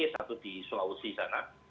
satu di sulawesi sana